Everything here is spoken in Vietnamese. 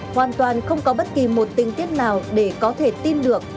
hoàn toàn không có bất kỳ một tình tiết nào để có thể tin được